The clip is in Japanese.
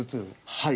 はい。